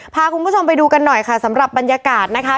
พาคุณผู้ชมไปดูกันหน่อยค่ะสำหรับบรรยากาศนะคะ